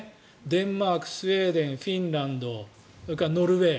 デンマーク、スウェーデンフィンランドそれからノルウェー。